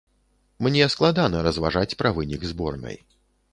Мне складана разважаць пра вынік зборнай.